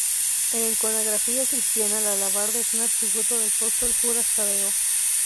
En la iconografía cristiana la alabarda es un atributo del apóstol Judas Tadeo.